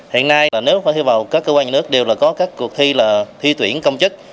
hiện nay là nếu phải thi vào các cơ quan nhà nước đều là có các cuộc thi là thi tuyển công chức